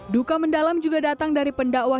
duka mendalam juga datang dari pendakwa